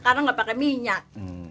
karena enggak pakai minyak